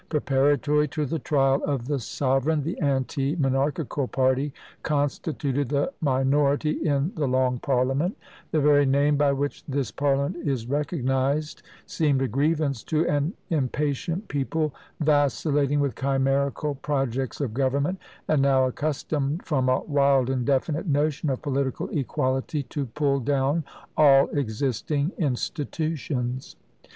Preparatory to the trial of the sovereign, the anti monarchical party constituted the minority in "the Long Parliament:" the very name by which this parliament is recognised seemed a grievance to an impatient people, vacillating with chimerical projects of government, and now accustomed, from a wild indefinite notion of political equality, to pull down all existing institutions.